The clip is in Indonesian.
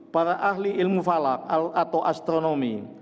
para ahli ilmu falak atau astronomi